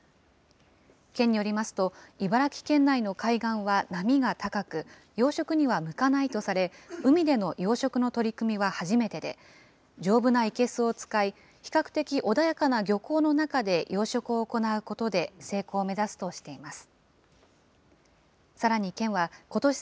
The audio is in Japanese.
県によりますと、茨城県内の海岸は波が高く、養殖には向かないとされ、海での養殖の取り組みは初めてで、丈夫な生けすを使い、比較的穏やかな漁港の中で養殖を行うことで成功を目指すとしています。